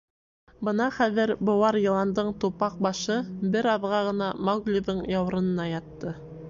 Бына хәҙер быуар йыландың тупаҡ башы бер аҙға ғына Мауглиҙың яурынына ятты.